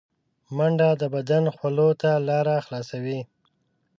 منډه د بدن خولو ته لاره خلاصوي